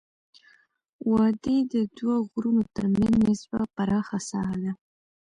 وادي د دوه غرونو ترمنځ نسبا پراخه ساحه ده.